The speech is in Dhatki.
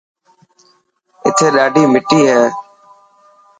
اٿي ڏاڌي مٽي هي.